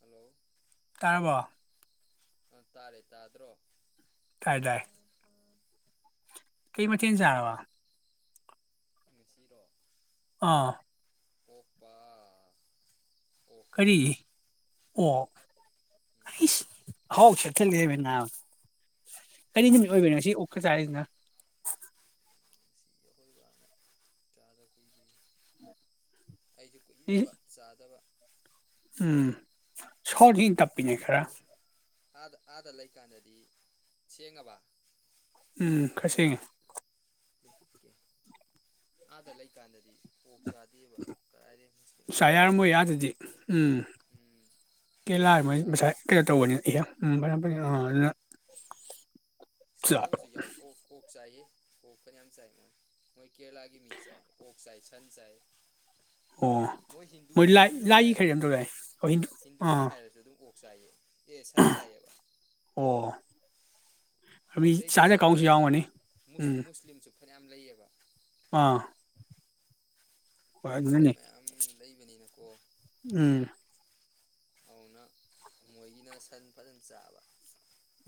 Hello. ꯇꯥꯔꯕꯣ꯫ ꯑ ꯇꯥꯔꯦ ꯇꯥꯗ꯭ꯔꯣ꯫ ꯀꯥꯏꯗꯥ꯫ ꯀꯩ ꯃꯊꯦꯟ ꯆꯥꯔꯕ꯫ ꯉꯁꯤꯔꯣ ꯑꯥ꯫ ꯑꯣꯄꯥ꯫ ꯀꯔꯤ ꯑꯣꯛ ꯎꯝ ꯍꯤꯁ ꯑꯍꯥꯎ [unintelligible] ꯅꯕꯥ ꯀꯔꯤ ꯅꯨꯃꯤꯠ ꯑꯣꯏꯕꯅꯣ ꯉꯁꯤ ꯑꯍꯥꯎ ꯆꯥꯔꯩꯁꯤꯅ꯫ ꯑꯈꯣꯏ ꯕꯥꯅ ꯆꯥꯗ ꯀꯨꯢꯔꯦꯅ ꯑꯩꯁꯨ ꯏ- ꯀꯨꯏꯏꯔꯕ ꯆꯥꯗꯕ ꯎꯝ ꯁꯥꯎꯟꯖꯤ ꯇꯞꯄꯤꯅꯦ ꯈꯔ ꯑꯥꯗ ꯑꯥꯗ ꯂꯩꯀꯥꯟꯗꯗꯤ ꯁꯦꯡꯉꯕ ꯎꯝ ꯈꯔ ꯁꯦꯡꯉꯦ꯫ ꯑꯥꯗ ꯂꯩꯀꯥꯟꯗꯗꯤ ꯑꯣ ꯄꯁꯥ ꯌꯥꯔꯝꯃꯣꯏ ꯂꯩꯕꯅꯤ ꯑꯗ꯭ꯔꯗꯤ ꯎꯝ ꯎꯝ ꯀꯩꯅꯣꯁꯨ ꯆꯥꯗꯦ ꯀꯦꯂꯥꯁꯥꯏ ꯀꯩꯅꯣ ꯇꯧꯕꯅꯤꯅ ꯏꯍ ꯎꯝ ꯑ ꯁꯥꯟꯅꯕꯁꯨ ꯌꯥꯎꯋ ꯑꯣ ꯑꯣꯛ ꯆꯥꯏꯌꯦ ꯄꯣꯣꯛ ꯄꯅꯤ ꯑ ꯆꯑ ꯃꯥ ꯃꯣꯏ ꯀꯑꯒꯦ ꯃꯤꯆꯦ ꯄꯣꯛ ꯆ ꯈꯟ ꯆ ꯍꯥꯏ ꯑꯣ ꯃꯣꯏ ꯍꯤꯟꯗꯨ ꯂꯥꯏ ꯍꯤꯟꯗꯨꯅꯤ ꯂꯥꯏꯒꯤ ꯈꯔ ꯍꯥꯏꯔꯁꯨ ꯌꯥꯝ ꯇꯧꯗꯥꯏ ꯑꯍꯤꯡ ꯍꯤꯟꯗꯨꯅꯤ ꯑꯥ ꯍꯥꯏꯔꯁꯨ ꯑꯗꯨꯝ ꯑꯣ ꯆꯌꯦ ꯑꯦ ꯁꯟ ꯆꯥꯏꯌꯦꯕ ꯑꯣ ꯃꯤ ꯑꯥꯎꯗꯏꯗꯤ ꯆꯥꯗ ꯀꯥꯡꯕꯨꯁꯨ ꯁꯥꯟꯁꯦꯁꯦ ꯌꯥꯎꯔꯝꯒꯅꯤ ꯎꯝ ꯃꯨꯁꯂꯤꯝꯁꯨ ꯐꯅ ꯌꯥꯝ ꯂꯩꯌꯦꯕ ꯑꯥ ꯍꯣꯏ ꯃꯨꯁꯂꯤꯝ ꯑꯗꯨꯅꯅꯦ ꯃꯌꯥꯝ ꯂꯩꯕꯅꯤꯅꯀꯣ ꯎꯝ ꯑꯗꯨꯅ ꯃꯣꯏꯒꯤꯅ ꯁꯟ ꯐꯖꯅ ꯆꯥꯕ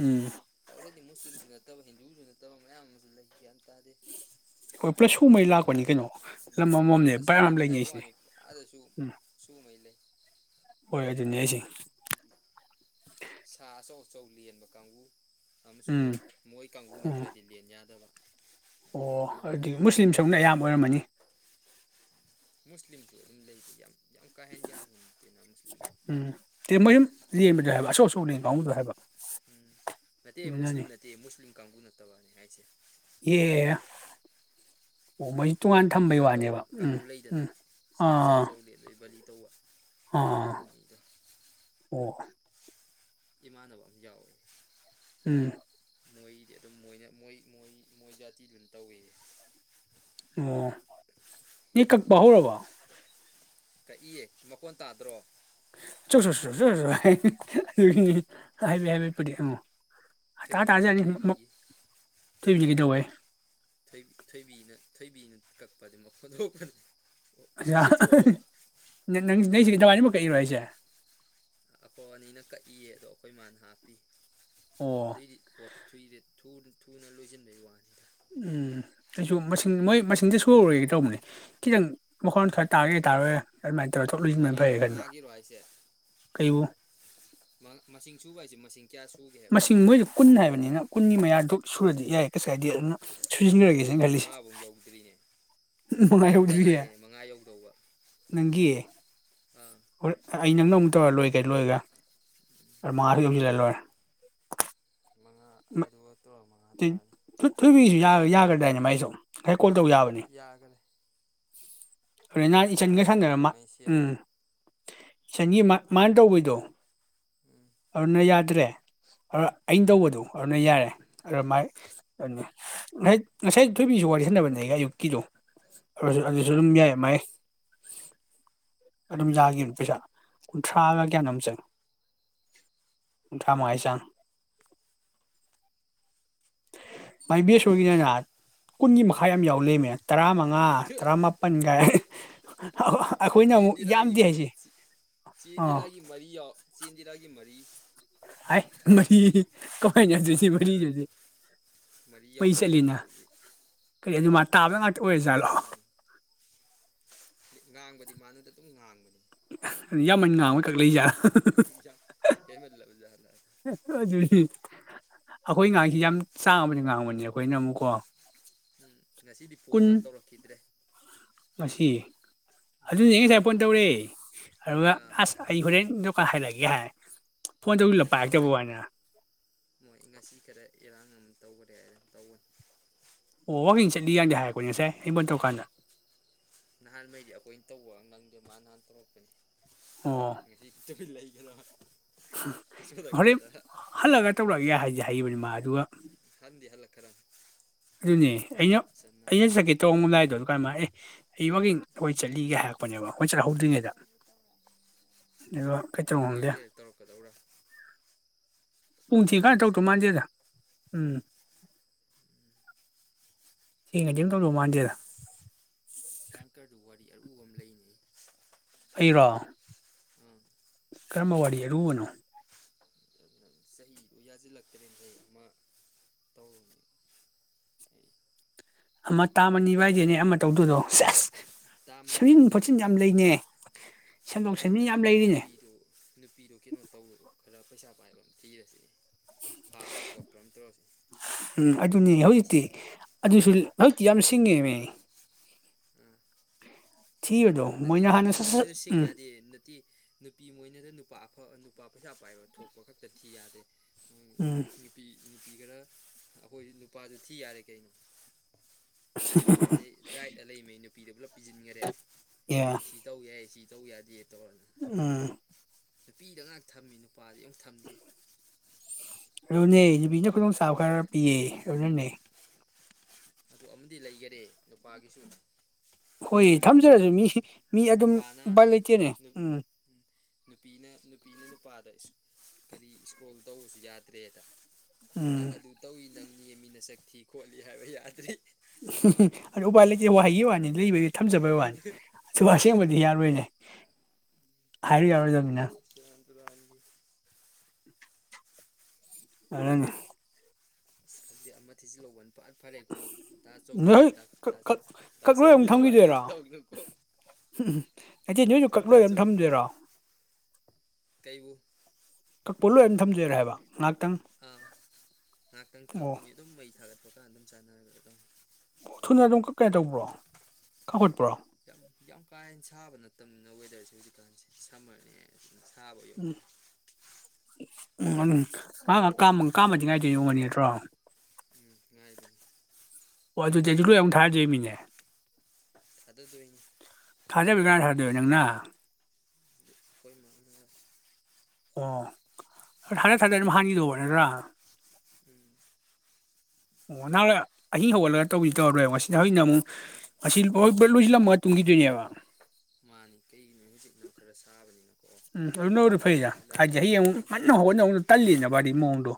ꯎꯝ ꯇꯧꯗꯤ ꯃꯁꯂꯤꯝꯁꯤꯅ ꯍꯤꯟꯗꯨꯁꯨ ꯅꯠꯇꯕ ꯃꯌꯥꯝ ꯑꯃꯁꯨ ꯂꯩ ꯇꯥꯗꯦ ꯍꯣꯏ ꯄ꯭ꯂꯁ ꯁꯨꯉꯩ ꯂꯥꯛꯄꯅꯤ ꯀꯩꯅꯣ ꯂꯝ ꯑꯃꯃꯝꯅꯦ ꯕꯌꯥꯝ ꯑꯁꯤꯗꯗꯤ ꯍꯥꯏꯕ ꯂꯩꯅꯩꯁꯤꯅꯦ ꯋꯥꯅꯤ ꯑꯥꯗꯁꯨ ꯎꯝ ꯁꯨꯃꯩ ꯂꯩ ꯍꯣꯏ ꯑꯗꯨꯅꯦ ꯑꯩꯁꯦ ꯑꯗꯩꯗꯤ ꯁꯥ ꯑꯆꯧ ꯑꯆꯧ ꯂꯦꯟꯕ ꯀꯥꯡꯕꯨ ꯑꯃꯁꯨ ꯂꯩ ꯎꯝ ꯃꯣꯏ ꯀꯥꯡꯕꯨ ꯎꯝ ꯅꯠꯇ꯭ꯔꯗꯤ ꯂꯦꯟ ꯌꯥꯗꯕ ꯑꯩ ꯑꯣ ꯒ꯭ꯌꯥꯟ ꯑꯗꯨꯗꯤ ꯇꯥꯗꯦ ꯃꯨꯁꯂꯤꯝ ꯁꯪꯅ ꯑꯌꯥꯝꯕ ꯑꯣꯏꯔꯝꯃꯅꯤ ꯂꯩꯇꯦ ꯌꯥꯝ ꯌꯥꯝ ꯌꯥꯝ ꯀꯍꯦꯁꯂꯤꯅ ꯎꯝ ꯇꯦ ꯃꯌꯨꯝ ꯂꯦꯟꯕꯗꯣ ꯍꯥꯏꯕ ꯑꯆꯧ ꯑꯆꯧꯕ ꯂꯦꯡ ꯀꯥꯡꯅꯗꯣ ꯍꯥꯏꯕ ꯎꯝ ꯅ ꯑꯗꯨꯅꯅꯤ ꯃꯁꯂꯤꯝ ꯅꯁꯂꯤꯝ ꯀꯥꯡꯕꯨ ꯅꯠꯇꯕꯅꯤ ꯍꯥꯏꯁꯦ ꯑꯦ ꯑꯣ ꯃꯣꯏ ꯇꯣꯉꯥꯟ ꯊꯝꯕꯩ ꯕꯂꯤꯒ ꯇꯧꯕ ꯋꯥꯅꯦꯕ ꯎꯝ ꯀꯥꯡꯒꯨ ꯂꯩꯗꯅ ꯎꯝ ꯁꯥ ꯑꯆꯧ ꯑꯥ ꯆꯥꯎꯧꯗꯦ ꯑꯗꯨꯗꯩ ꯕꯂꯤ ꯇꯧꯕ ꯑꯥ ꯑꯗꯨꯅꯤꯗꯣ ꯑꯣ ꯏꯃꯥꯟꯗꯕꯝ ꯌꯥꯎꯦ ꯎꯝ ꯃꯣꯏꯗꯤ ꯑꯗꯨꯝ ꯃꯣꯏꯅ ꯃꯣꯏ ꯃꯣꯏ ꯃꯣꯏ ꯖꯥꯇꯤꯗꯨꯝ ꯇꯧꯏ ꯑꯣ ꯅ ꯀꯛꯄ ꯍꯧꯧꯔꯔꯕ ꯀꯛꯏꯌꯦ ꯃꯀꯣꯟ ꯇꯥꯗ꯭ꯔꯣ ꯆ ꯆ ꯆ ꯆ [inaudible] ꯍꯥꯏꯕꯤ ꯍꯥꯏꯕꯤ ꯄꯨ ꯑꯃ ꯊꯣꯏꯕꯤꯒꯤ ꯊꯣꯏꯕꯤꯒꯤ ꯊꯣꯏꯕꯤꯗꯤ ꯀꯩꯗꯧꯋꯦ ꯊꯣꯏꯕꯤꯅ ꯊꯣꯏꯕꯤꯅ ꯀꯛꯄꯗꯤ ꯃꯈꯣꯟꯗꯣꯛꯄꯅꯤ ꯅꯪ ꯅꯁꯤ ꯀꯕꯥꯅꯤꯃꯛ ꯀꯛꯏꯔꯣ ꯍꯥꯏꯁꯦ ꯑꯐꯣ ꯑꯅꯤꯅ ꯀꯛꯏꯌꯦ ꯑꯗꯣ ꯑꯩꯈꯣꯏ ꯏ ꯃꯥꯅ ꯍꯥꯞꯄꯤ ꯑꯣ ꯑꯗꯩꯗꯤ ꯄꯣꯠꯇ ꯁꯨꯏꯁꯦ ꯊꯨ ꯊꯨꯅ ꯂꯣꯏꯁꯤꯟꯕꯒꯤ ꯋꯥꯅꯤꯗ ꯎꯝ ꯑꯩꯁꯨ ꯃꯁꯤꯡ ꯃꯣꯏ ꯃꯁꯤꯡꯁ ꯁꯔꯨꯔꯦꯒꯦ ꯇꯧꯕꯅꯦ ꯈꯤꯇꯪ ꯃꯈꯣꯟ ꯁ꯭ꯋꯥꯏ ꯇꯥꯔꯒꯦ ꯇꯥꯔꯣꯏꯦ ꯃꯉꯥ ꯃꯉꯥꯒꯤꯔꯣ ꯍꯥꯏꯁꯦ ꯀꯩꯕꯨ ꯃꯁꯤꯡ ꯁꯨꯕ ꯍꯥꯏꯁꯦ ꯃꯁꯤꯡ ꯀꯌꯥ ꯁꯨꯒꯦ ꯍꯥꯏꯕ ꯃꯁꯤꯡ ꯃꯣꯏꯗꯨ ꯀꯨꯟ ꯍꯥꯏꯕꯅꯤꯅ ꯀꯨꯟꯒꯤ ꯃꯌꯥꯗꯨ ꯁꯨꯔꯗꯤ ꯌꯥꯏ ꯀꯁ ꯀꯥꯏꯗꯦ ꯑꯗꯨꯅ ꯎꯁ ꯁꯨꯖꯤꯟꯅꯔꯒꯦꯁꯅ ꯑꯩꯗꯤ ꯈꯜꯂꯤꯁꯦ ꯃꯉꯥꯐꯧ ꯌꯧꯗ꯭ꯔꯤꯅꯦ ꯃꯤ ꯑꯃꯇ ꯅꯨꯡꯉꯥꯏꯍꯧꯗꯔꯤꯌꯦꯦ ꯉꯥꯏꯔꯦꯅꯦ ꯃꯉꯥ ꯅꯪꯒꯤ ꯎ ꯍꯣꯏ ꯑꯩ ꯅꯪꯅ ꯑꯃꯨꯛ ꯇꯧꯔ ꯂꯣꯏꯔ ꯀꯩ ꯂꯣꯏꯔꯒ ꯃꯥꯁꯨ ꯌꯣꯁꯤꯜꯂ ꯂꯣꯏꯔꯦ ꯃꯉꯥ ꯑꯗꯨꯒ ꯇꯣꯝꯃ ꯐ ꯊ ꯌꯥꯒꯗꯅ ꯃꯥꯏꯁꯨ ꯀꯣꯜ ꯇꯧ ꯌꯥꯕꯅꯤ ꯌꯥꯈꯔꯦ ꯍꯣꯔꯦꯟ ꯅꯍ ꯏꯆꯟꯒ ꯌꯥꯈ꯭ꯔꯕ ꯌꯥꯈ꯭ꯔꯕ ꯁꯥꯟꯅꯔꯝꯃ ꯑꯩ ꯎꯝ ꯁꯦꯝꯈ꯭ꯔꯕ ꯆꯟꯒꯤ ꯃꯥ ꯃꯥꯟ ꯇꯧꯕꯩꯗꯣ ꯎꯝ ꯑꯗꯨꯅ ꯌꯥꯗ꯭ꯔꯦ ꯑꯩꯅ ꯇꯧꯕꯗꯨ ꯑꯗꯨꯅ ꯌꯥꯔꯦ ꯑꯗꯨꯃꯥꯏ ꯉꯁꯥꯏ ꯉꯁꯥꯏ ꯊꯣꯏꯕꯤꯁꯨ ꯋꯥꯔꯤ ꯁꯥꯟꯕꯅꯦ ꯑꯩ ꯑꯌꯨꯛꯀꯤꯗꯣ ꯑꯗꯨ ꯑꯗꯨꯁꯨ ꯑꯥ ꯑꯗꯨꯝ ꯌꯥꯏ ꯃꯥꯌꯦ ꯑꯗꯨꯝ ꯌꯥꯈꯤꯕꯅ ꯄꯩꯁꯥ ꯀꯨꯟꯊ꯭ꯔꯥꯒ ꯀꯌꯥꯅꯣꯝ ꯆꯪꯉ ꯀꯨꯟꯊ꯭ꯔꯥ ꯃꯉꯥ ꯆꯥꯡ ꯃꯥꯏ ꯕꯦꯁ ꯑꯣꯏꯒꯤꯅꯤꯅ ꯀꯨꯟꯒꯤ ꯃꯈꯥꯏ ꯌꯥꯝ ꯌꯥꯎ ꯂꯩꯃꯦ ꯇꯔꯥꯃꯉꯥ ꯃꯉꯥ ꯇꯔꯥꯃꯥꯄꯜꯒꯥꯏ ꯑꯩꯈꯣꯏꯅ ꯆꯦ ꯑꯃꯨꯛ ꯏꯟꯗꯤꯔꯥꯒꯤ ꯌꯥꯝꯗꯦ ꯍꯥꯏꯁꯦ ꯑꯥ ꯆꯤꯟꯗꯤꯔꯥꯒꯤ ꯃꯔꯤ ꯍꯥꯏ ꯃꯁꯤ ꯀꯣꯏꯅ ꯑꯗꯨꯁꯤ ꯑꯥ ꯃꯔꯤꯖꯦ ꯉꯔꯥꯡ ꯗꯨꯗꯤ ꯃꯔꯤ ꯃꯩ ꯌꯥꯎꯔꯝꯃꯦ ꯆꯠꯂꯤꯅ ꯑꯗꯨꯒꯤ ꯀꯔꯤ ꯑꯗꯨꯃ ꯇꯥꯕ ꯉꯥꯛꯇ ꯑꯣꯏꯔꯖꯥꯠꯂꯣ ꯉꯥꯡꯕꯗꯤ ꯃꯥꯅꯗ ꯑꯗꯨꯝ ꯉꯥꯡꯕꯅꯤ ꯌꯥꯝꯃꯟ ꯉꯥ ꯑꯃ ꯀꯛ ꯂꯩꯏꯖ ꯍꯦꯟꯃꯜꯂꯕ ꯖꯥꯠꯂ [unintelligible] ꯑꯈꯣꯏ ꯉꯥꯡꯁꯤ ꯌꯥꯝ ꯆꯥꯡꯕꯅꯤ ꯉꯥꯡꯕꯅꯤ ꯑꯩꯈꯣꯏꯅ ꯑꯃꯨꯛꯀꯣ ꯎꯝ ꯉꯁꯤꯗꯤ ꯐꯣꯟꯒ ꯇꯧꯔꯛꯈꯤꯗ꯭ꯔꯦ ꯃꯁꯤ ꯑꯗꯨꯅꯦ ꯉꯁꯥꯏ ꯐꯣꯟ ꯇꯧꯔꯦ ꯑꯗꯨꯒ ꯑꯥ ꯑꯁ ꯑꯩ ꯍꯣꯔꯦꯟ ꯗꯀꯥꯟ ꯍꯥꯏ ꯂꯩꯒꯦ ꯍꯥꯏꯦ ꯐꯣꯟ ꯇꯧꯕꯁꯨ ꯉꯁꯤ ꯄꯥꯏꯔꯛꯇꯕ ꯈꯔ ꯋꯥꯅꯦ ꯃꯣꯏ ꯉꯁꯤ ꯈꯔ ꯑꯦꯔꯥꯡ ꯑꯃ ꯇꯧꯈꯔꯦ ꯍꯥꯏꯅ ꯇꯧꯕꯅꯤ ꯑꯣ ꯋꯥꯀꯤꯡ ꯆꯠꯂꯤ ꯁꯣꯝꯗ ꯌꯥꯗꯤ ꯂꯟꯖꯥꯎ ꯍꯥꯏꯔꯛꯄꯅꯦ ꯉꯁꯥꯏ ꯑꯩꯕꯣꯟ ꯇꯧꯀꯥꯟꯗ ꯅꯍꯥꯟꯉꯩꯗꯤ ꯑꯩꯈꯣꯏꯅ ꯇꯧꯕ ꯅꯪꯗꯦ ꯃꯥ ꯅꯍꯥꯟ ꯇꯧꯔꯛꯄꯅꯤ ꯑꯣ ꯂꯩ [unintelligible] ꯍꯣꯔꯦꯟ ꯍꯜꯂꯒ ꯇꯧꯔꯛꯑꯒꯦ ꯍꯥꯏꯁꯦ ꯍꯥꯏꯕꯅꯤ ꯃꯥꯁꯦ ꯑꯗꯨꯒ ꯍꯜꯂꯛ ꯈꯔ ꯑꯗꯨꯅꯦ ꯑꯩꯅ ꯑꯩꯅ ꯁꯛꯀꯦ ꯇꯧꯕꯅꯥꯏꯗꯣ ꯀꯔꯥꯏꯃꯅ ꯑꯦ ꯑꯩ ꯋꯥꯒꯤꯡ ꯍꯣꯏ ꯆꯠꯂꯤꯒ ꯍꯥꯏꯔꯛꯄꯅꯦꯕ ꯑꯩꯈꯣꯏ ꯆꯠꯍꯧꯗ꯭ꯔꯤꯉꯩꯗ ꯑꯗꯨꯒ ꯑꯗꯨꯗꯤ ꯀꯩꯇꯧꯅꯣ ꯉꯥꯏꯍꯥꯛ ꯈꯪꯗꯦ ꯂꯩꯔ ꯇꯧꯔꯛꯀꯗꯧꯕꯔꯥ ꯄꯨꯪꯁꯤ ꯈꯥꯟ ꯇꯧꯗꯣ ꯃꯥꯟꯗꯦꯗꯥ ꯎꯝ ꯊꯦꯡꯉꯥꯗꯤ ꯇꯧꯗꯣ ꯃꯥꯟꯗꯦꯗ ꯇꯥꯡꯀꯔꯗꯨ ꯋꯥꯔꯤ ꯑꯔꯨꯕ ꯑꯃ ꯂꯩꯅꯤ ꯑꯩꯔꯣ ꯑꯥ ꯀꯔꯝꯕ ꯋꯥꯔꯤ ꯑꯔꯨꯕꯅꯣ ꯑꯗꯨꯅ ꯆꯍꯤꯗꯨ ꯌꯥꯁꯤꯜꯂꯛꯇ꯭ꯔꯦꯈꯩ ꯑꯃ ꯇꯧꯔꯨꯅꯤ ꯑꯩ ꯑꯃ ꯇꯥꯃꯅꯤ ꯋꯥꯏ ꯅꯦ ꯑꯃ ꯇꯧꯗꯣꯏꯗꯣ ꯁꯁ ꯇꯥ ꯃꯅꯤꯗꯨ ꯁꯦꯝꯖꯤꯟ ꯈꯣꯠꯆꯤꯟ ꯅꯨꯄꯤꯗꯣ ꯌꯥꯝ ꯂꯩꯅꯦ ꯁꯦꯝꯗꯣꯛ ꯁꯦꯝꯖꯤꯟ ꯌꯥꯝ ꯇꯥꯃꯅꯤꯗꯣ ꯂꯩꯔꯤꯅꯦ ꯅꯨꯄꯤꯗꯣ ꯅꯨꯄꯤꯗꯣ ꯀꯩꯅꯣ ꯇꯧꯔꯛꯑꯣ ꯈꯔ ꯄꯩꯁꯥ ꯄꯥꯏꯕ ꯑꯃ ꯄꯤꯔꯁꯤ ꯎꯝ ꯑꯗꯨꯅꯤ ꯍꯧꯖꯤꯛꯇꯤ ꯊꯦꯝꯃꯨ ꯑꯗꯨꯁꯨ ꯍꯧꯖꯤꯛꯇꯤ ꯌꯥꯝ ꯇꯉꯦꯃꯤ ꯎꯝ ꯅꯠꯇꯦ ꯃꯣꯏꯅ ꯅꯨꯄꯤ ꯍꯥꯟꯅ ꯁꯠ ꯁꯠ ꯃꯣꯏꯅꯅ ꯁꯤꯡ ꯎꯝ ꯌꯥꯗꯦ ꯅꯠꯇꯦ ꯅꯨꯄꯤ ꯃꯣꯏꯅꯅ ꯅꯨꯄꯥ ꯑꯐ ꯂꯨꯄꯥ ꯄꯩꯁꯥ ꯄꯥꯏꯕ ꯊꯣꯛꯄ ꯈꯛꯇ ꯊꯤ ꯌꯥꯗꯦ ꯎ ꯎꯝ ꯅꯨꯄꯤ ꯅꯨꯄꯤ ꯈꯔ ꯑꯩꯈꯣꯏ ꯅꯨꯄꯥꯗꯨ ꯊꯤ ꯌꯥꯔꯦ ꯀꯩꯅꯣ ꯀꯗꯤ ꯌꯥꯥꯏ ꯂꯩ ꯃꯅꯤ ꯄꯤꯖꯤꯟꯈꯔꯦ ꯑꯦ ꯁꯤ ꯇꯧꯒꯦ ꯁꯤ ꯇꯧ ꯌꯥꯗꯦ ꯇꯧꯔ ꯎꯝ ꯅꯨꯄꯤꯗ ꯉꯍꯥꯛ ꯊꯝꯃꯤ ꯅꯨꯄꯥꯗꯤ ꯑꯃꯨꯛ ꯊꯝꯗꯦ ꯑꯗꯨꯅꯦ ꯅꯨꯄꯤꯅ ꯈꯨꯗꯣꯡ ꯆꯥꯕ ꯈꯔ ꯄꯤꯌꯦ ꯑꯗꯨꯅꯅꯦ꯫ ꯑꯗꯨ ꯑꯝꯗꯤ ꯂꯩꯒꯔꯦ ꯅꯨꯄꯥꯒꯤꯁꯨ꯫ ꯍꯣꯏ ꯊꯝꯗ꯭ꯔꯤꯕ ꯊꯝꯖꯔꯖꯨ ꯃꯤ ꯃꯤ ꯑꯗꯨꯝ ꯅꯨꯄꯥꯅ ꯎꯕꯥꯜ ꯂꯩꯇꯦꯅꯦ ꯎꯝ꯫ ꯅꯨꯄꯤꯅ ꯅꯨꯄꯤꯅ ꯅꯨꯄꯥꯗ ꯀꯔꯤ ꯏꯁꯀ꯭ꯔꯣꯜ ꯇꯧꯕꯁꯨ ꯌꯥꯗ꯭ꯔꯦꯗ ꯅꯪ ꯎꯝ ꯑꯗꯨ ꯇꯧꯋꯤ ꯅꯪ [unintelligible] ꯃꯤꯅ ꯆꯠꯈꯤ ꯈꯣꯠꯂꯤ ꯍꯥꯏꯕ ꯌꯥ [unintelligible] [unintelligible] ꯑꯗꯨ ꯎꯕꯥꯏꯜ ꯂꯩꯇꯦ ꯋꯥ ꯍꯥꯏꯌꯦ ꯋꯥꯅꯤ ꯂꯩꯕ ꯊꯝꯖꯕꯩ ꯋꯥꯅꯦ [unintelligible] ꯑꯁꯦꯡꯕꯗꯤ ꯌꯥꯔꯣꯏꯅꯦ ꯍꯥꯏꯔꯨ ꯌꯥꯔꯣꯏꯗꯝꯅꯤꯅ꯫ ꯁꯦꯔꯥꯟ ꯇꯨꯔꯥꯟꯒꯤ [unintelligible] ꯈꯪꯗꯤꯦ ꯑꯃ ꯊꯤꯁꯤ ꯂꯧꯕꯅꯤ ꯐꯠ ꯐꯔꯦꯀꯣꯗꯥꯆꯧꯕꯤ ꯅꯣꯏ ꯀꯛꯂꯣꯏ ꯑꯃꯨꯛ ꯑꯗꯨꯃꯥꯏꯅ ꯊꯝꯈꯤꯗꯣꯏꯔꯣ ꯇꯧꯔꯤꯅꯣꯀꯣ ꯅꯠꯇꯦ ꯅꯣꯏꯁꯨ ꯀꯛꯂꯣꯏ ꯑꯃ ꯊꯝꯗꯣꯏꯔꯣ ꯀꯕꯨ ꯀꯛꯄ ꯂꯣꯏꯔ ꯊꯝꯖꯔꯦ ꯍꯥꯏꯕ꯫ ꯉꯥꯏꯍꯥꯛꯇꯪ ꯑꯥ ꯉꯥꯏꯍꯥꯛꯇꯪ ꯑꯣ ꯊꯝꯒꯤꯅꯤ ꯑꯗꯨꯝ ꯃꯩ ꯊꯥꯒꯠ [unintelligible] ꯑꯗꯨꯝ ꯆꯥꯟꯅꯔꯒ ꯑꯗꯨꯝ ꯑꯣ ꯊꯨꯅ ꯑꯗꯨꯝ ꯀꯨꯞꯀꯦ ꯇꯧꯕ꯭ꯔꯣ ꯈꯥꯈꯠꯄ꯭ꯔꯣ? ꯌꯥꯝ ꯌꯥꯝ ꯀꯥꯍꯦꯟ ꯁꯥꯕ ꯅꯠꯇꯝꯅꯤꯅ ꯋꯦꯗꯔꯖꯦ ꯍꯨꯖꯤꯛꯀꯥꯟꯁꯦ ꯁꯝꯃꯔꯅꯦ ꯑꯗꯨꯅ ꯁꯥꯕ ꯌꯧꯗꯦ꯫ [unintelligible] ꯀꯥꯃ ꯀꯥꯝꯃꯪ ꯀꯥꯝꯃꯇꯤꯡꯉꯥꯢ ꯀꯨꯝꯒꯅꯤ ꯅꯠꯇ꯭ꯔꯣ ꯎꯝ ꯉꯉꯥꯏꯗꯣꯏ ꯑꯗꯨꯗꯤꯁꯨ ꯂꯣꯏ ꯑꯃꯨꯛ ꯊꯥꯗꯦ ꯃꯤꯅꯦ ꯑꯗꯨꯗ ꯑꯗꯨ ꯑꯗꯨ ꯅꯪꯅ ꯈꯣꯏ ꯃꯅꯤ ꯑꯣ ꯊꯗ ꯊꯥꯗ ꯑꯗꯨꯝ ꯍꯥꯡꯈꯤꯗꯧꯕ ꯅꯠꯇ꯭ꯔꯥ ꯎꯝ ꯑꯣ ꯅꯍꯥꯟ ꯑꯍꯤꯡ ꯍꯧꯒꯠꯂꯒ ꯇꯧꯕꯗꯤ ꯇꯧꯔꯔꯣꯏꯕ ꯉꯁꯤꯗꯤ ꯍꯧꯖꯤꯛꯅ ꯑꯃꯨꯛ ꯉꯁꯤꯣꯏ ꯄꯨ ꯂꯣꯏꯁꯤꯜꯂꯝꯃꯒ ꯇꯨꯝꯈꯤꯗꯣꯏꯅꯦꯕ ꯃꯥꯅꯤ ꯀꯩꯒꯤꯅꯣ ꯍꯧꯖꯤꯛꯅꯣ ꯈꯔ ꯁꯥꯕꯅꯤꯅꯣ ꯎꯝ ꯑꯗꯨ ꯅꯔꯨ ꯐꯩꯗ ꯍꯥꯏꯗꯤ ꯍꯌꯦꯡ ꯑꯃꯨꯛ ꯉꯟꯅ ꯅꯤꯡꯊꯝꯊꯥꯒꯤ ꯍꯧꯒꯠꯅ ꯊꯕꯛ ꯍꯧꯅ ꯇꯜꯂꯤꯅꯦꯕ ꯍꯥꯏꯗꯤ ꯃꯑꯣꯡꯗꯣ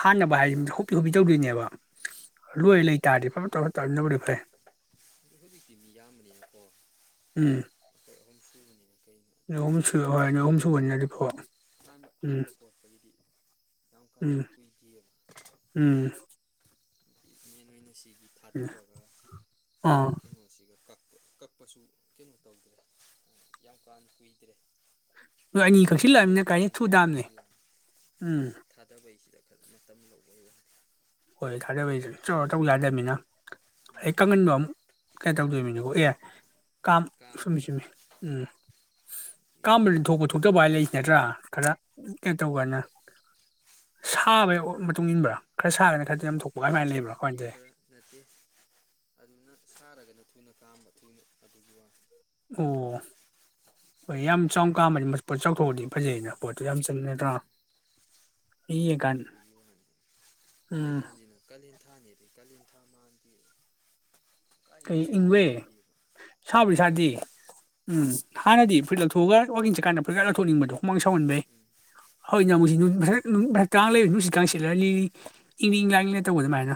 ꯍꯥꯟꯅꯕ ꯎꯝ ꯍꯥꯏꯁꯤ ꯍꯣꯄꯤ ꯍꯞꯄꯤ ꯇꯧꯗꯣꯏꯅꯦꯕ ꯂꯣꯏ ꯂꯩꯇꯥꯥꯔꯗꯤ ꯐ ꯇꯧ ꯇꯥꯅꯒ ꯍꯧ ꯍꯧꯖꯤꯛꯇꯤ ꯃꯤ ꯌꯥꯝꯕꯅꯤꯅꯀꯣ ꯎꯝ ꯑꯩꯈꯣꯏ ꯑꯍꯨꯝ ꯁꯨꯕꯅꯤ ꯀꯒꯤꯅꯣ ꯍꯥꯏꯗꯤ ꯑꯍꯨꯝ ꯁꯨꯕ ꯍꯣꯏ ꯅꯣꯏ ꯍꯥꯟꯕ ꯑꯍꯨꯝ ꯈꯣꯠꯄꯒꯤ ꯁꯨꯕꯅꯤꯅꯗꯤꯀꯣ ꯍ ꯎꯝ ꯍꯥꯟꯕ ꯈꯣꯠꯄꯒꯤꯗꯤ ꯌꯥꯝ ꯀꯥ ꯍꯦꯟꯅ ꯎꯝ ꯀꯨꯏꯗꯑꯕ ꯎꯝ [inaudible] ꯁꯤꯗꯤ ꯊꯥꯗꯕ ꯑ ꯀꯄ ꯀꯛꯄꯁꯨ ꯀꯩꯅꯣ ꯇꯧꯗ꯭ꯔꯦ ꯌꯥꯝ ꯀꯥꯅ ꯀꯨꯏꯗ꯭ꯔꯦ ꯅꯣꯏ ꯑꯩꯈꯣꯏ ꯑꯅꯤꯈꯛꯁꯤꯂꯥꯛꯑꯃꯤꯅ ꯀꯥꯏꯅ ꯑꯅꯤꯅ ꯊꯨꯗꯥꯝꯅꯦ ꯀꯛꯁꯤꯜꯂꯅꯤ ꯎꯝ ꯏꯊꯠ ꯑꯃ ꯃꯇꯝ ꯂꯧꯕ ꯋꯥꯗꯦ ꯍꯣꯏ ꯊꯥꯖꯕꯩ ꯇꯧ ꯌꯥꯗꯃꯤꯅ ꯎꯝ ꯑꯩ ꯀꯉꯟꯅꯨꯡ ꯋꯥ ꯀꯥꯏ ꯇꯧꯗꯣꯏꯃꯤ ꯣ ꯑꯦ ꯀꯥꯝ ꯆꯨꯝꯃꯤ ꯀꯥꯝꯃꯒ ꯆꯨꯝꯃꯤ ꯎꯝ ꯀꯥꯝꯕ ꯊꯣꯛꯄ ꯈꯔ ꯊꯣꯛꯇꯕ ꯍꯥꯏ ꯂꯩ ꯅꯠꯇ꯭ꯔꯥ ꯈꯔ ꯀꯩꯅꯣ ꯇꯧꯒꯅ ꯎꯝ ꯁꯥꯕ ꯃꯇꯨꯡ ꯏꯟꯕ꯭ꯔꯥ ꯈꯔ ꯁꯥꯕꯅ ꯁꯥꯏꯠ ꯌꯥꯝ ꯊꯣꯛꯄꯏ ꯑꯗꯨꯥꯏꯅ ꯂꯩ꯭ꯔꯣ ꯈꯔ ꯅꯠꯇꯦ ꯑꯗꯨꯅ ꯁꯥꯔꯒꯅ ꯊꯨꯅ ꯀꯥꯝꯕ ꯊꯨꯅ ꯑꯗꯨꯒꯤ ꯋꯥ ꯑꯣ ꯍꯣꯏ ꯌꯥꯝ ꯆꯥꯎ ꯀꯥꯃꯅꯤ ꯄꯣꯠ ꯆꯥꯎꯊꯣꯛꯑꯗꯤ ꯐꯖꯩꯅ ꯄꯣꯠ ꯌꯥꯝ ꯆꯜꯂꯅꯦꯗꯥ ꯎꯝ ꯏꯒꯥꯟ ꯑꯗꯨꯒꯤ ꯋꯥꯅꯤ ꯎꯝ ꯊꯅꯤꯔꯤ ꯀꯥꯂꯤꯟꯊꯥ ꯃꯗꯤꯔ ꯀꯩ ꯏꯪꯕꯦ ꯁꯥꯕꯨꯗꯤ ꯍꯣꯏ ꯁꯥꯗꯦ ꯎꯝ ꯍꯥꯟꯅꯗꯤ ꯐꯨꯔꯤꯠ ꯂꯧꯊꯣꯛꯑꯒ ꯋꯥꯥꯛꯀꯤꯡ ꯆꯠꯀꯥꯟꯗ ꯐꯨꯔꯤꯠ ꯂꯧꯊꯣꯛꯅꯤꯡꯕꯗꯣ ꯍꯨꯃꯥꯡ ꯁꯥꯎꯍꯟꯕꯩ ꯎꯝ ꯍꯖꯤꯛꯅ ꯑꯃꯨꯛꯠ ꯇꯥꯡ ꯂꯩ ꯅꯨꯡꯠꯁꯤꯠ ꯀꯥ ꯁꯤꯠꯂꯜꯂꯤ ꯏꯪꯅꯤꯡ ꯏꯪ ꯂꯥꯛꯅꯤꯡꯉꯦ ꯇꯧꯕ ꯑꯗꯨꯃꯥꯏꯅ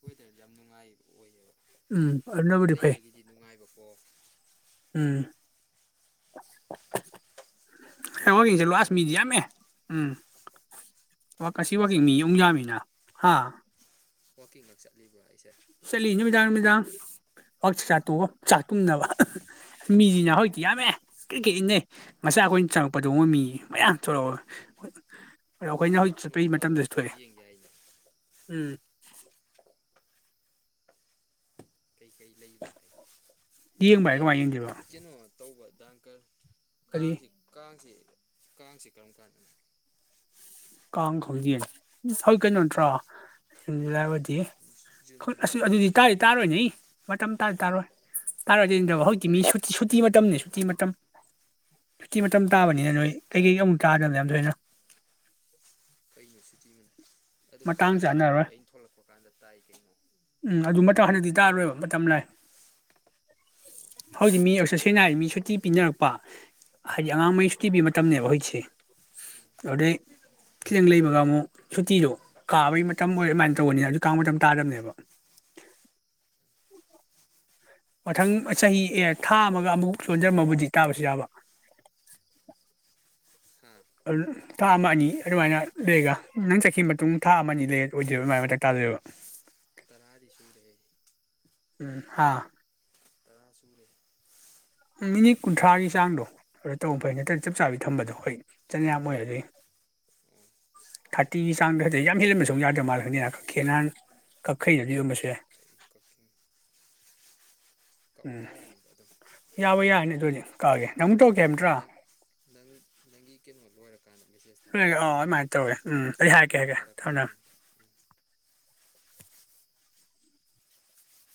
ꯑꯣꯏꯇꯥꯔꯦꯗꯤ ꯌꯥꯝ ꯅꯨꯡꯉꯥꯏꯕ ꯑꯣꯏꯌꯦꯕ ꯎꯝ ꯑꯗꯨꯅꯗꯤ ꯐꯥꯏ ꯂꯩꯕꯒꯤꯗꯤ ꯅꯨꯡꯉꯥꯏꯕꯀꯣ ꯎꯝ [inaudible] ꯋꯥꯀꯤꯡ ꯆꯠꯂꯥꯁ ꯃꯤꯗꯤ ꯑꯗꯒꯤ ꯌꯥꯝꯃꯦ ꯎꯝ ꯋꯥꯁꯤ ꯋꯥꯛꯀꯤꯡꯒ ꯋꯥꯀꯤꯡ ꯃꯤ ꯆꯠꯂꯤꯕ꯭ꯔꯣ ꯌꯥꯃꯤꯅ ꯍꯥ ꯋꯥꯀꯤꯡꯈ ꯆꯠꯂꯤꯕ꯭ꯔꯥ ꯑꯩꯁꯦ ꯆꯠꯂꯤ ꯅꯨꯃꯤꯗꯥꯡ ꯅꯨꯃꯤꯗꯥꯡ ꯋꯥꯛ ꯆꯆꯇꯣꯀꯥꯒꯥ ꯆꯥꯛ ꯇꯨꯝꯅꯕ [inaudible] ꯃꯤꯁꯤꯅ ꯍꯧꯖꯤꯛꯇꯤ ꯌꯥꯝꯃꯦ ꯀ꯭ꯔꯤ ꯀꯦꯠ ꯏꯟꯅꯩ ꯃꯆꯥ ꯑꯩꯈꯣꯏꯅ ꯆꯪꯉꯛꯄꯗꯣꯡꯕ ꯃꯤ ꯃꯌꯥꯝ ꯊꯣꯛꯂꯛꯑꯣ ꯑꯗꯣ ꯑꯩꯈꯣꯏꯅ ꯍꯧꯖꯤꯛ ꯆꯠꯄꯒꯤ ꯅꯣꯡ ꯐꯥꯗꯣꯛ ꯃꯇꯝꯗꯁꯨ ꯁꯨꯝ ꯊꯣꯛꯑꯦ ꯌꯦꯡꯒꯦ ꯍꯥꯏꯅ ꯎꯝ ꯀꯩꯀꯩ ꯂꯩꯕ꯭ꯔꯥ ꯍꯥꯏꯕ ꯌꯦꯡꯕ ꯍꯥꯏ ꯑꯦ ꯀꯃꯥꯏꯅ ꯌꯦꯡꯗꯣꯏꯕ ꯀꯩꯅꯣ ꯇꯧꯕ ꯗꯦꯡꯒꯔ [unintelligible] ꯀꯔꯤ ꯀꯁꯤ ꯀꯁꯤ ꯀꯥꯡꯁꯤ ꯀꯔꯝ ꯀꯥꯟꯗꯅꯣ ꯀꯥꯡ ꯈꯪꯗꯦꯅ ꯍꯣꯏ ꯀꯩꯅꯣ ꯅꯠꯇ꯭ꯔꯥꯕꯗꯤ ꯖꯨꯟꯅꯤ ꯑꯗꯨꯗꯤ ꯇꯥꯏ ꯇꯥꯔꯣꯏꯅꯦ ꯃꯇꯝ ꯇꯥ ꯇꯥꯔꯣꯏ ꯇꯥꯔꯗꯤ ꯃꯃꯥꯡꯗꯤ ꯍꯧꯏꯇꯤ ꯃꯤ ꯇꯥꯏꯗ ꯁꯨꯇꯤ ꯃꯇꯝꯅꯦ ꯁꯨꯇꯤ ꯃꯇꯝ ꯁꯨꯇꯤ ꯃꯇꯝ ꯀꯩꯅꯣ ꯇꯥꯕꯅꯤꯅ ꯅꯣꯏ ꯀꯩ ꯑꯃꯨꯛ ꯇꯥꯗꯅ ꯑꯗꯨꯣꯏꯅ [unintelligible] ꯀꯩꯅꯣ ꯁꯤꯇꯤꯕꯅꯦ [unintelligible] ꯑꯗꯨ ꯃꯇꯥꯡ ꯀꯥꯡꯗꯤ ꯆꯥꯅꯔꯣꯏ ꯃꯃꯥꯡꯗꯣ ꯑꯩꯅ ꯊꯣꯛꯂꯛꯄ ꯀꯥꯟꯗ ꯇꯥꯏ ꯀꯩꯅꯣ ꯎꯝ ꯑꯗꯨ ꯃꯇꯝ ꯍꯟꯗꯛꯇꯤ ꯇꯥꯔꯣꯏꯕ ꯃꯇꯝ ꯂꯩ ꯍꯧꯖꯤꯛ ꯃꯤꯁ ꯁꯦꯡꯅ ꯍꯥꯏ ꯃꯤ ꯁꯨꯇꯤ ꯄꯤꯅꯔꯛꯄ ꯍꯥꯏꯗꯤ ꯑꯉꯥꯡꯉꯩ ꯁꯨꯇꯤ ꯄꯤꯕ ꯃꯇꯝꯅꯤꯅꯦꯕ ꯍꯧꯖꯤꯛꯁꯦ ꯑꯗꯨꯗꯩ ꯈꯤꯇꯪ ꯂꯩꯕꯒ ꯑꯃꯨꯛ ꯁꯨꯇꯤꯗꯣ ꯀꯥꯕꯒꯤ ꯃꯇꯝ ꯑꯣꯏ ꯑꯗꯨꯃꯥꯏꯅ ꯇꯧꯕꯒꯅꯤ ꯑꯗꯨ ꯀꯥꯡꯕ ꯃꯇꯝ ꯇꯥꯗꯕꯅꯦꯕ ꯃꯊꯪ ꯎꯝ ꯆꯍꯤ ꯀꯥꯡꯁꯤ ꯀꯔꯝ ꯑꯦ ꯊꯥ ꯀꯥꯟꯗꯅꯣ ꯑꯃꯒ ꯈꯪꯕ꯭ꯔꯣ ꯑꯃꯨꯛ ꯆꯣꯟꯖꯔꯝꯃꯕꯨꯗꯤ ꯇꯥꯕꯁꯨ ꯌꯥꯥꯕ ꯍꯥ ꯑꯗꯨ ꯊꯥ ꯑꯃ ꯑꯅꯤ ꯑꯗꯨꯃꯥꯏꯅ ꯂꯩꯔꯒ ꯅꯪ ꯆꯠꯈꯤꯕ ꯃꯇꯨꯡ ꯊꯥ ꯑꯃ ꯑꯅꯤ ꯂꯩ ꯑꯣꯏꯗꯣꯏꯕ ꯑꯗꯨꯃꯥꯏꯅ ꯃꯊꯪ ꯇꯥꯗꯣꯏꯕ ꯇꯔꯥꯗꯤ ꯁꯨꯔꯦꯍꯦ ꯎꯝ ꯍꯥꯥ ꯇꯔꯥ ꯁꯨꯔꯦ ꯃꯤꯅꯤꯠ ꯀꯨꯟꯊ꯭ꯔꯥꯒꯤ ꯆꯥꯡꯗꯣ ꯑꯗꯨ ꯇꯧ ꯐꯩ ꯅꯠꯇ꯭ꯔꯅ ꯆꯞ ꯆꯥꯕꯤ ꯊꯝꯕꯗꯣ ꯍꯣꯏ ꯆꯅꯌꯥꯝ ꯑꯣꯏꯔꯗꯤ ꯑꯣ ꯊꯥꯔꯇꯤꯒꯤ ꯆꯥꯡꯗ ꯍꯥꯏꯖ ꯌꯥꯝ ꯍꯦꯜꯍꯟꯕ ꯁ ꯌꯥꯗ꯭ꯔꯕ ꯃꯥꯜꯂꯁꯤꯅꯤꯅ ꯀꯛꯈꯦ ꯅꯍꯥꯟ ꯀꯛꯈꯩꯅꯩꯅꯗꯤ ꯌꯣꯟꯕꯁꯦ ꯑꯩ ꯀꯛꯆꯤꯡ ꯀꯛꯑꯣ ꯌꯥꯔꯅꯤꯗ ꯑꯗꯨꯝ ꯌꯥꯕ ꯌꯥꯔꯅꯤ ꯑꯗꯨꯗꯤ ꯀꯛꯑꯒꯦ ꯅꯪ ꯑꯃꯨꯛ ꯇꯧꯔꯛꯀꯦ ꯍꯥꯏꯕ ꯅꯠꯇ꯭ꯔꯥ ꯅꯪ ꯅꯪ ꯅꯪꯒꯤ ꯀꯩꯅꯣ ꯂꯣꯏꯔꯀꯥꯟꯗ ꯃꯦꯁꯦꯖ ꯊꯥꯗꯛ ꯂꯣꯏꯔꯒ ꯑꯥ ꯑꯗꯨꯃꯥꯏꯅ ꯇꯧꯔꯒꯦ ꯎꯝ ꯑꯩ ꯍꯥꯏꯔꯛꯀꯦ ꯍꯥꯏꯔꯛꯀꯦ ꯊꯝꯃꯦ ꯊꯥꯔꯛꯄꯒ ꯊꯝꯃꯦ ꯑꯗꯨꯝ ꯎꯝ